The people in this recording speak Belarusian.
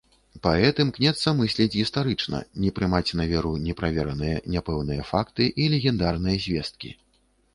Паэт імкнецца мысліць гістарычна, не прымаць на веру неправераныя, няпэўныя факты і легендарныя звесткі.